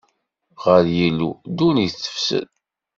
Ɣer Yillu, ddunit tefsed;